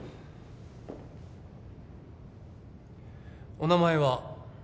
お名前は？